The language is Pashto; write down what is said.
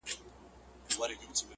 چي تر كلكو كاڼو غاښ يې وي ايستلى؛